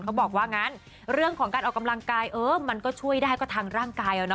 เขาบอกว่างั้นเรื่องของการออกกำลังกายเออมันก็ช่วยได้ก็ทางร่างกาย